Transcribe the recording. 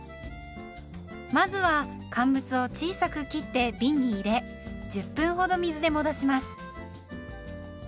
まずは乾物を小さく切ってびんに入れ１０分ほど水で戻します。